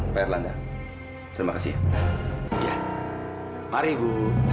berlangganan terima kasih ya iya mari ibu